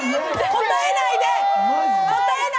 答えないで！